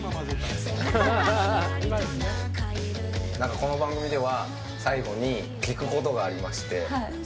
この番組では最後に聞くことがありまして。